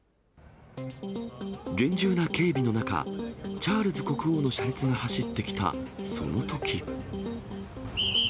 厳重な警備の中、チャールズ国王の車列が走ってきたそのとき。